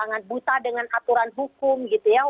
mereka sangat buta dengan aturan hukum gitu ya